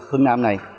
phương nam này